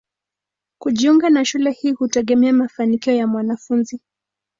Kujiunga na shule hii hutegemea mafanikio ya mwanafunzi.